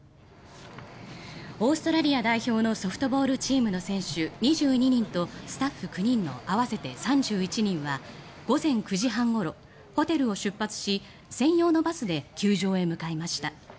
オーストラリア代表のソフトボールチームの選手２２人とスタッフ９人の合わせて３１人は午前９時半ごろホテルを出発し専用のバスで球場へ向かいました。